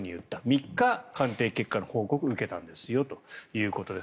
３日、鑑定結果の報告を受けたんですよということです。